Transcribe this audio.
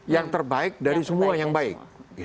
yang terbaik dari semua yang baik